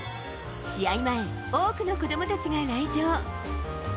試合前、多くの子どもたちが来場。